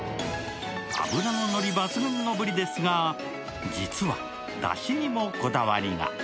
脂ののり抜群のブリですが、実はだしにもこだわりが。